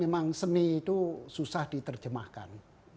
memang seni itu susah diterjemahkan